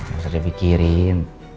gak usah dipikirin